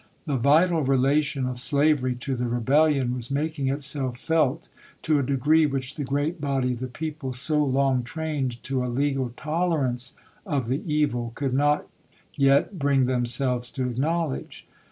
The vital relation of slavery to the rebellion was making itself felt to a degree which the great body of the people, so long trained to a legal tolerance of the evil, could not yet bring themselves to acknowledge.